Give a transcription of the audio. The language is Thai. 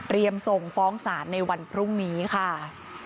ส่งฟ้องศาลในวันพรุ่งนี้ค่ะ